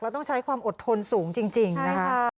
ต้องใช้ความอดทนสูงจริงนะคะ